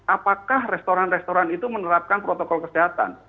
apakah restoran restoran itu menerapkan protokol kesehatan